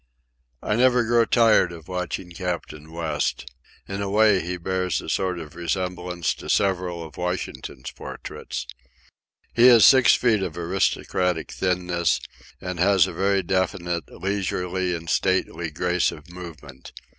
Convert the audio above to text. I never grow tired of watching Captain West. In a way he bears a sort of resemblance to several of Washington's portraits. He is six feet of aristocratic thinness, and has a very definite, leisurely and stately grace of movement.